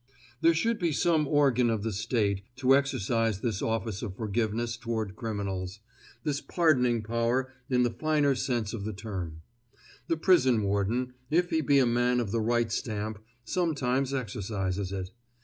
There should be some organ of the State to exercise this office of forgiveness toward criminals, this pardoning power in the finer sense of the term. The prison warden, if he be a man of the right stamp, sometimes exercises it.